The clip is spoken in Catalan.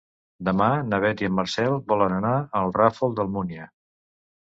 Demà na Beth i en Marcel volen anar al Ràfol d'Almúnia.